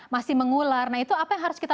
masih mengular nah itu apa yang harus kita